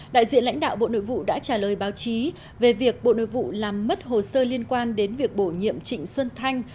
đại diện lãnh đạo bộ nội vụ đã trả lời báo chí về việc bộ nội vụ làm mất hồ sơ liên quan đến việc bổ nhiệm trịnh xuân thanh